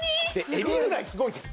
えびフライすごいです。